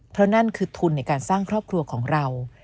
เพราะนั่นคือทุนในการสร้างครอบครัวของเรา